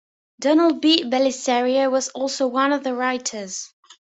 Donald P. Bellisario was also one of the writers.